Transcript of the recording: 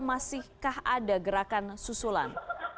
masihkah ada gerakan susulan